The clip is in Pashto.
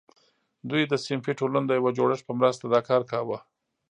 دوی د صنفي ټولنو د یو جوړښت په مرسته دا کار کاوه.